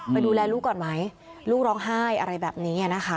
ไปดูแลลูกก่อนไหมลูกร้องไห้อะไรแบบนี้นะคะ